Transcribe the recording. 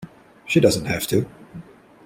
She doesn't have to.